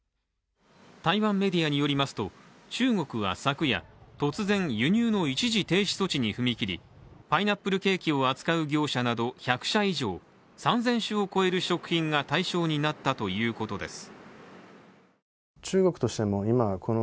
台湾メディアによりますと中国は昨夜、突然輸入の一時停止措置に踏み切りパイナップルケーキを扱う業者など１００社以上３０００種を超える食品が対象になったということです。